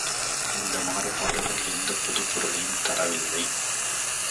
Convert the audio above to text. இந்த மாறுபாடுகள் எந்தப் புதுப்பொருளையும் தரவில்லை.